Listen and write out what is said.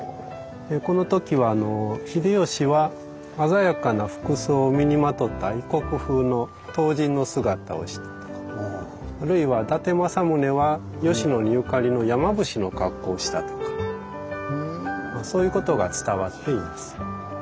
このときは秀吉は鮮やかな服装を身にまとった異国風の唐人の姿をしたとかあるいは伊達政宗は吉野にゆかりの山伏の格好をしたとかそういうことが伝わっています。